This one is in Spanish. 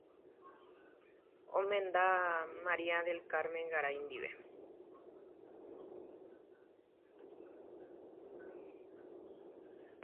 Está casado con María del Carmen Garay.